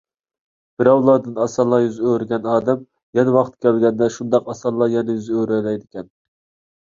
بىراۋلاردىن ئاسانلا يۈز ئۆرۈگەن ئادەم، يەنە ۋاقتى كەلگەندە شۇنداق ئاسانلا يەنە يۈز ئۆرۈيەلەيدىكەن